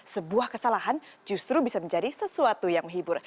sebuah kesalahan justru bisa menjadi sesuatu yang menghibur